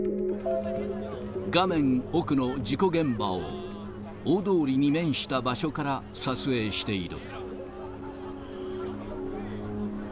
画面奥の事故現場を、大通りに面した場所から撮影している。